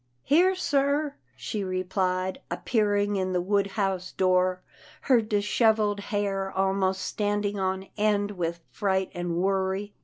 "Here, sir," she replied, appearing in the wood house door, her dishevelled hair almost standing on end with fright and worry.